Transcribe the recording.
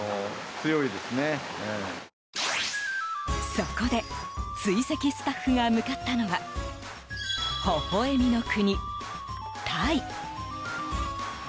そこで、追跡スタッフが向かったのはほほ笑みの国、タイ。